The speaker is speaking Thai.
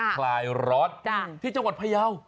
คลายร้อนที่จังหวัดพยาว